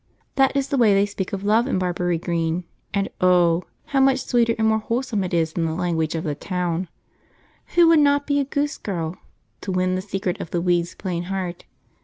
That is the way they speak of love in Barbury Green, and oh! how much sweeter and more wholesome it is than the language of the town! Who would not be a Goose Girl, "to win the secret of the weed's plain heart"?